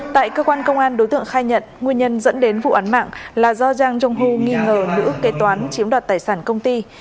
tại cơ quan công an đối tượng khai nhận nguyên nhân dẫn đến vụ án mạng là do giang jong ho nghi ngờ nữ kế toán chiếm đoạt tài sản công ty